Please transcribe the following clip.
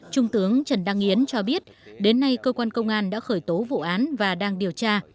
trung tướng trần đăng yến cho biết đến nay cơ quan công an đã khởi tố vụ án và đang điều tra